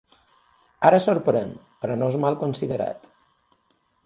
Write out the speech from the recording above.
Ara sorprèn, però no és mal considerat.